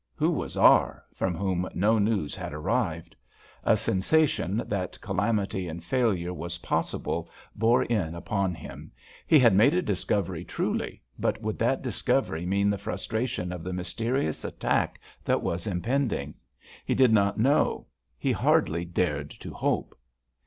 Who was R. from whom no news had arrived? A sensation that calamity and failure was possible bore in upon him. He had made a discovery truly, but would that discovery mean the frustration of the mysterious attack that was impending? He did not know, he hardly dared to hope.